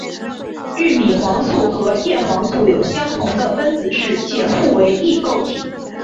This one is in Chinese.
玉米黄素和叶黄素有相同的分子式且互为异构体。